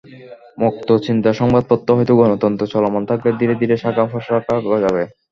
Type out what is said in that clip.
মুক্ত চিন্তার সংবাদপত্র হয়তো গণতন্ত্র চলমান থাকলে ধীরে ধীরে শাখা-প্রশাখা গজাবে।